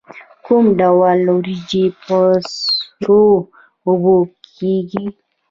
کوم ډول وریجې په سړو اوبو کې کیږي؟